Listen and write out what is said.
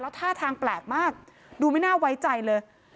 ท่าทางแปลกมากดูไม่น่าไว้ใจเลย